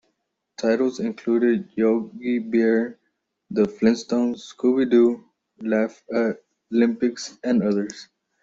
Titles included "Yogi Bear", "The Flintstones", "Scooby-Doo", "Laff-A-Lympics" and others.